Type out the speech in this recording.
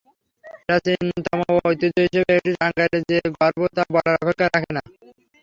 প্রাচীনতম ও ঐতিহ্য হিসেবে এটি টাঙ্গাইলের যে গর্ব তা বলার অপেক্ষা রাখে না।